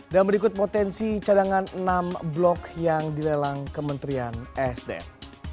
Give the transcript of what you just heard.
dan berikut potensi cadangan enam blok yang dilelang kementerian sdm